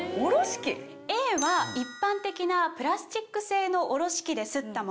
Ａは一般的なプラスチック製のおろし器ですったもの。